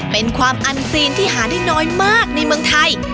เป็นความอันซีนที่หาได้น้อยมากในเมืองไทย